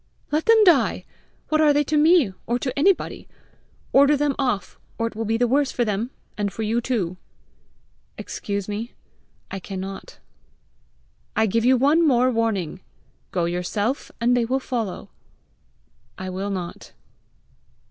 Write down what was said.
"Let them die! What are they to me or to anybody! Order them off, or it will be the worse for them and for you too!" "Excuse me; I cannot." "I give you one more warning. Go yourself, and they will follow." "I will not."